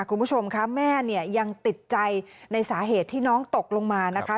คุณผู้ชมคะแม่เนี่ยยังติดใจในสาเหตุที่น้องตกลงมานะคะ